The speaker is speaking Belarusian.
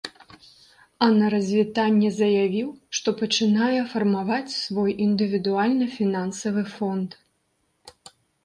А на развітанне заявіў, што пачынае фармаваць свой індывідуальны фінансавы фонд.